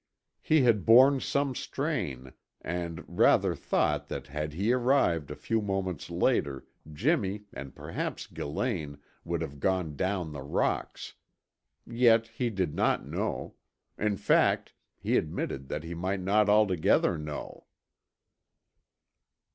He had borne some strain and rather thought that had he arrived a few moments later Jimmy, and perhaps Gillane, would have gone down the rocks. Yet he did not know. In fact, he admitted that he might not altogether know.